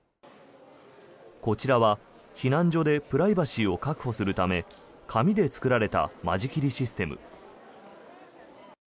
こちらは避難所でプライバシーを確保するため紙で作られた間仕切りシステム。